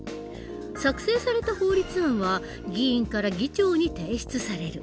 作成された法律案は議員から議長に提出される。